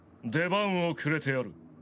出番をくれてやる。